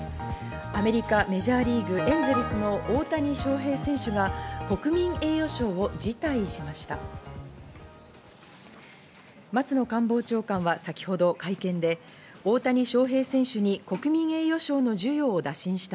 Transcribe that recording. アメリカ・メジャーリーグ、エンゼルスの大谷翔平選手が国民栄誉賞を辞退しました。